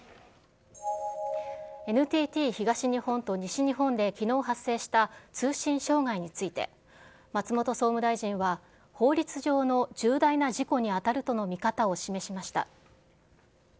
ＮＴＴ東日本と西日本できのう発生した通信障害について、松本総務大臣は法律上の重大な事故に当たるとの見方を示しました。